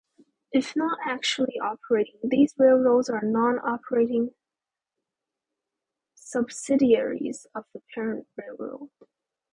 If not actually operating, these railroads are "non-operating subsidiaries" of the parent railroad.